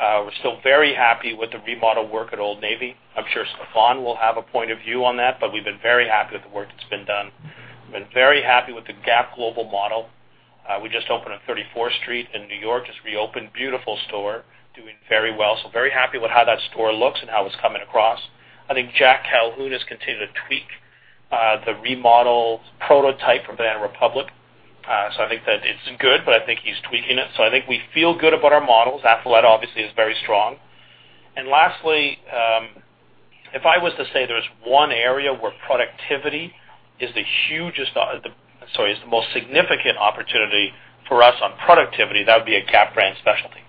We're still very happy with the remodel work at Old Navy. I'm sure Stefan will have a point of view on that, but we've been very happy with the work that's been done. We've been very happy with the Gap global model. We just opened on 34th Street in New York. Just reopened. Beautiful store. Doing very well. Very happy with how that store looks and how it's coming across. I think Jack Calhoun has continued to tweak the remodel prototype for Banana Republic. I think that it's good, but I think he's tweaking it. I think we feel good about our models. Athleta obviously is very strong. Lastly, if I was to say there's one area where productivity is the most significant opportunity for us on productivity, that would be at Gap Brand Specialty.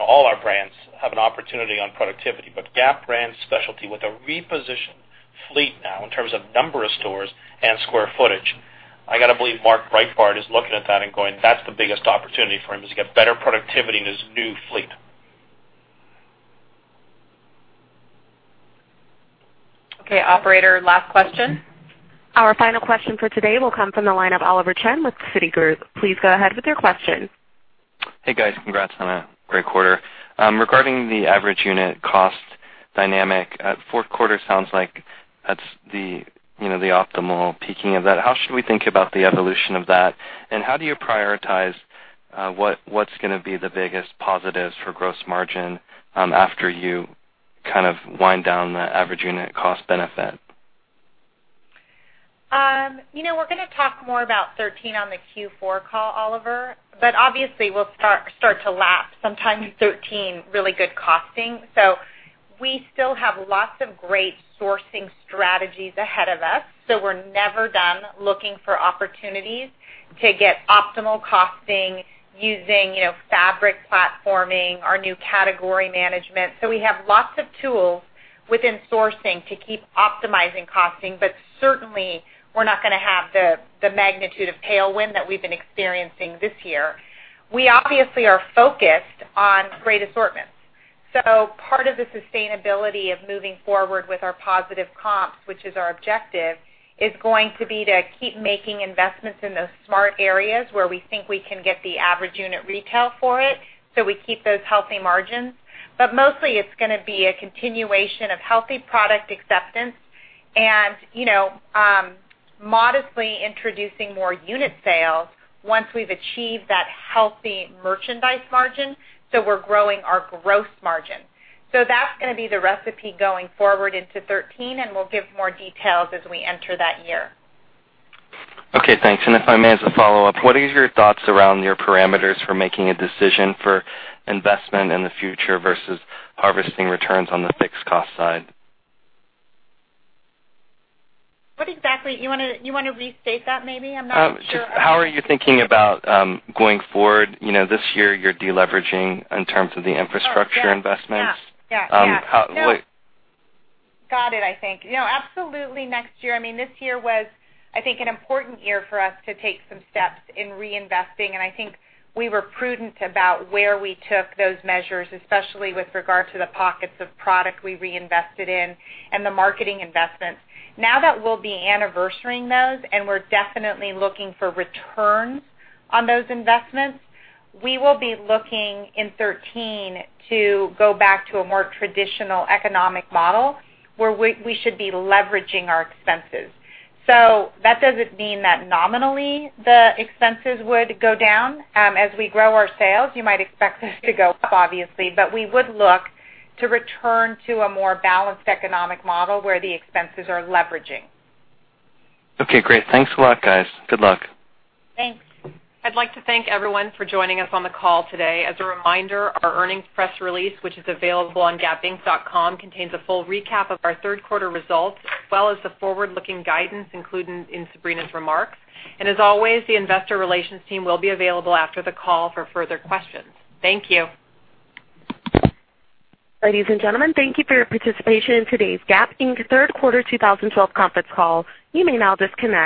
All our brands have an opportunity on productivity, Gap Brand Specialty with a repositioned fleet now in terms of number of stores and square footage, I got to believe Mark Breitbard is looking at that and going, that's the biggest opportunity for him is to get better productivity in his new fleet. Okay, operator, last question. Our final question for today will come from the line of Oliver Chen with Citigroup. Please go ahead with your question. Hey, guys. Congrats on a great quarter. Regarding the average unit cost dynamic, fourth quarter sounds like that's the optimal peaking of that. How should we think about the evolution of that, and how do you prioritize what's going to be the biggest positives for gross margin after you kind of wind down the average unit cost benefit? We're going to talk more about 2013 on the Q4 call, Oliver. Obviously, we'll start to lap sometime in 2013 really good costing. We still have lots of great sourcing strategies ahead of us, so we're never done looking for opportunities to get optimal costing using fabric platforming, our new category management. We have lots of tools within sourcing to keep optimizing costing, but certainly we're not going to have the magnitude of tailwind that we've been experiencing this year. We obviously are focused on great assortments. Part of the sustainability of moving forward with our positive comps, which is our objective, is going to be to keep making investments in those smart areas where we think we can get the Average Unit Retail for it, so we keep those healthy margins. Mostly it's going to be a continuation of healthy product acceptance and modestly introducing more unit sales once we've achieved that healthy merchandise margin, so we're growing our gross margin. That's going to be the recipe going forward into 2013, and we'll give more details as we enter that year. Okay, thanks. If I may, as a follow-up, what are your thoughts around your parameters for making a decision for investment in the future versus harvesting returns on the fixed cost side? You want to restate that maybe? I'm not sure. How are you thinking about going forward? This year, you're de-leveraging in terms of the infrastructure investments. Yes. Got it, I think. Absolutely, next year. This year was, I think, an important year for us to take some steps in reinvesting, and I think we were prudent about where we took those measures, especially with regard to the pockets of product we reinvested in and the marketing investments. Now that we'll be anniversarying those and we're definitely looking for returns on those investments, we will be looking in 2013 to go back to a more traditional economic model where we should be leveraging our expenses. That doesn't mean that nominally the expenses would go down. As we grow our sales, you might expect us to go up, obviously, but we would look to return to a more balanced economic model where the expenses are leveraging. Okay, great. Thanks a lot, guys. Good luck. Thanks. I'd like to thank everyone for joining us on the call today. As a reminder, our earnings press release, which is available on gapinc.com, contains a full recap of our third quarter results, as well as the forward-looking guidance included in Sabrina's remarks. As always, the investor relations team will be available after the call for further questions. Thank you. Ladies and gentlemen, thank you for your participation in today's Gap Inc. Third Quarter 2012 conference call. You may now disconnect.